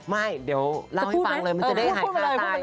ไม่เดี๋ยวเล่าให้ฟังเลยมันจะได้หายคาใจ